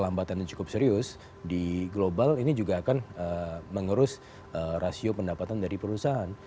lambatan yang cukup serius di global ini juga akan mengurus rasio pendapatan dari perusahaan